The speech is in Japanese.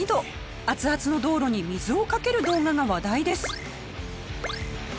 熱々の道路に水をかける動画が話題です。